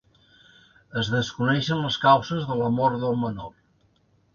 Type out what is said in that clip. Es desconeixen les causes de la mort del menor